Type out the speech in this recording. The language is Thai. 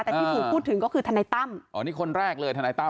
แต่ที่ถูกพูดถึงก็คือทนายตั้มอ๋อนี่คนแรกเลยทนายตั้